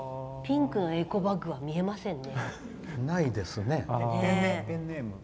ピンクのエコバッグは見えませんね。